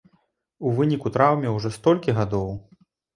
У выніку траўме ўжо столькі гадоў!